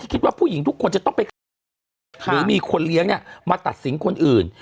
คิดว่าผู้หญิงทุกคนจะต้องไปฆ่าคนเลี้ยงหรือมีคนเลี้ยงเนี่ยมาตัดสินคนอื่น